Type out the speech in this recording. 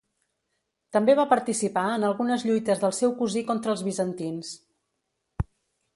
També va participar en algunes lluites del seu cosí contra els bizantins.